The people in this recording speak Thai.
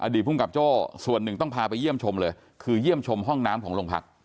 ภูมิกับโจ้ส่วนหนึ่งต้องพาไปเยี่ยมชมเลยคือเยี่ยมชมห้องน้ำของโรงพัก